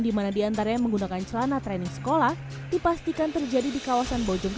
di mana diantaranya menggunakan celana training sekolah dipastikan terjadi di kawasan bojong